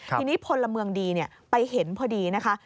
ทีนี้พลเมืองดีไปเห็นพอดีนะคะ